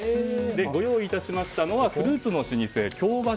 ご用意いたしましたのはフルーツの老舗京橋